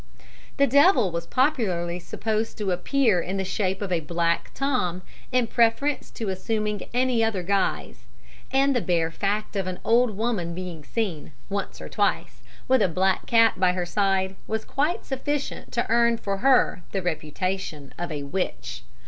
"The devil was popularly supposed to appear in the shape of a black Tom in preference to assuming any other guise, and the bare fact of an old woman being seen, once or twice, with a black cat by her side was quite sufficient to earn for her the reputation of a witch.